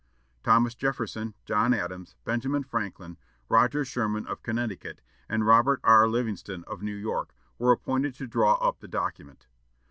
Thomas Jefferson, John Adams, Benjamin Franklin, Roger Sherman of Connecticut, and Robert R. Livingston of New York were appointed to draw up the document.